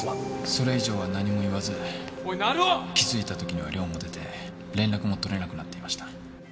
それ以上は何も言わず気づいた時には寮も出て連絡も取れなくなっていました。